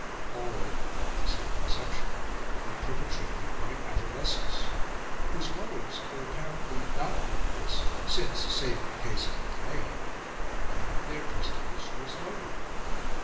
All, with a single exception, were perpetrated by adolescents, whose motives were apparently not murderous, since, save in the case of Maclean, none of their pistols was loaded.